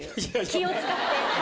気を使って。